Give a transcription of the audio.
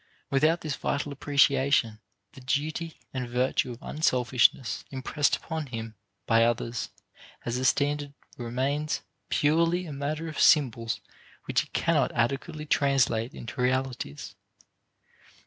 Without this vital appreciation, the duty and virtue of unselfishness impressed upon him by others as a standard remains purely a matter of symbols which he cannot adequately translate into realities.